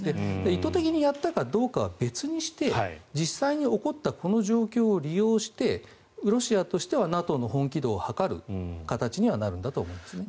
意図的にやったかどうかは別にして実際に起こったこの状況を利用してロシアとしてはＮＡＴＯの本気度を測る形にはなるんだと思います。